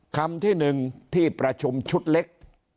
คำที่๑ที่ประชุมชุดเล็ก